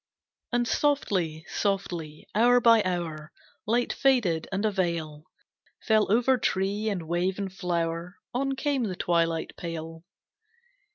And softly, softly, hour by hour Light faded, and a veil Fell over tree, and wave, and flower, On came the twilight pale.